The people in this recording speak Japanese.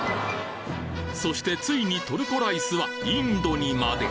そしてついにトルコライスはインドにまで！